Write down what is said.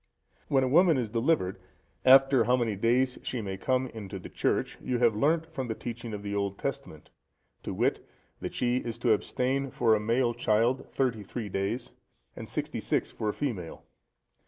When a woman is delivered, after how many days she may come into the church, you have learnt from the teaching of the Old Testament, to wit, that she is to abstain for a male child thirty three days, and sixty six for a female.